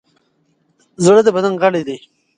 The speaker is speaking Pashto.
زړه د بدن غړی دی.